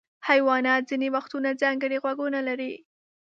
حیوانات ځینې وختونه ځانګړي غوږونه لري.